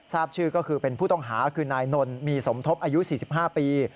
ทราบชื่อก็คือเป็นผู้ต้องหาคือนายนนมีสมทบอายุ๔๕ปี